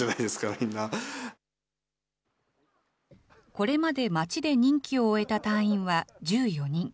これまで、町で任期を終えた隊員は１４人。